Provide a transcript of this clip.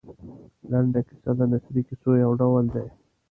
لنډه کیسه د نثري کیسو یو ډول دی.